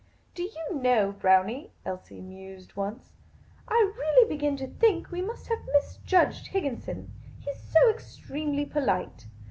" Do you know, Brownie," Elsie mused once, " I really begin to think we must have misjudged Higginson. He 's so extremely polite.